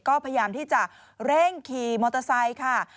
ก็พยายามที่จะเร่งขี่มอเตอร์ไซค์ค่ะ